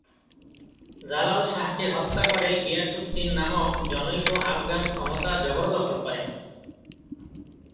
জালাল শাহকে হত্যা করে গিয়াসউদ্দীন নামক জনৈক আফগান ক্ষমতা জবরদখল করেন।